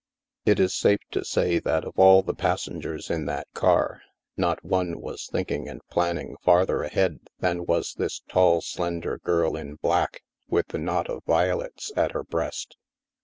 It is safe to say that of all the passengers in that car, not one was thinking and planning farther ahead than was this tall slender girl in black, with the knot of violets at her breast.